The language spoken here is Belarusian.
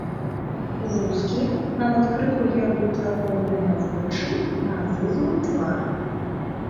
Вузкія, нават крыху як бы трахомныя, вочы на азызлым твары.